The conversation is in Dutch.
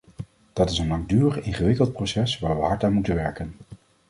Dat is een langdurig, ingewikkeld proces waar we hard aan moeten werken.